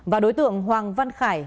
và đối tượng hoàng văn khải